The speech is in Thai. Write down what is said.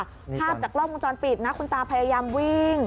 ภาพจากกล้องวงจรปิดนะคุณตาพยายามวิ่ง